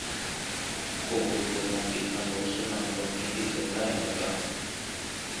Kuva ubwo humvikana ubusobanuro bwimbitse bw'aya magambo